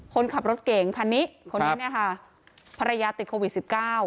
คนขับรถเก่งคันนี้คนนี้เนี่ยค่ะภรรยาติดโควิดสิบเก้า